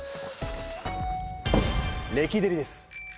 レキデリです。